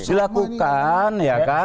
dilakukan ya kan